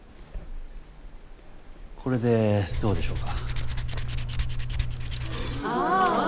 これでどうでしょうか？